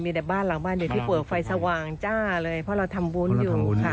มีแต่บ้านหลังบ้านอยู่ที่เปลือกไฟสว่างจ้าเลยเพราะเราทำบุญอยู่ค่ะ